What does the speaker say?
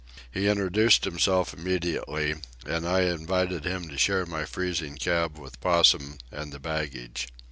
He introduced himself immediately, and I invited him to share my freezing cab with Possum and the baggage.